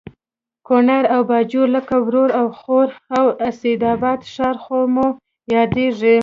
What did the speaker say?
کونړ او باجوړ لکه ورور او خور او اسداباد ښار خو مې یادېږي